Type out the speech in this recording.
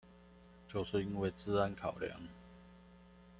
就是因為資安考量